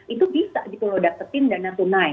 itu bisa dipelodak setiap dana tunai